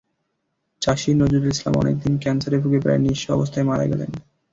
চাষী নজরুল ইসলাম অনেক দিন ক্যানসারে ভুগে প্রায় নিঃস্ব অবস্থায় মারা গেলেন।